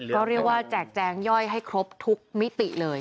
ก็เรียกว่าแจกแจงย่อยให้ครบทุกมิติเลย